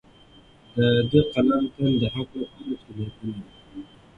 د ده قلم تل د حق لپاره چلیدلی دی.